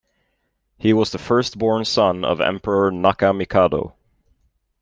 He was the firstborn son of Emperor Nakamikado.